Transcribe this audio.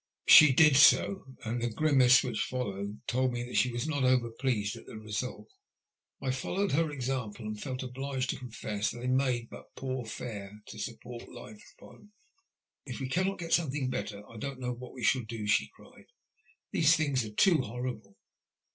She did so, and the grimace which followed told me that (she was not overpleased at the result. I 1G8 THE LUST OF HATE. followed her example, and felt obliged to confess that they made but poor fare to support Ufe upon. " If we camiot get something better, I don't know what we shall do," ehe cried. '' These things are too horrible.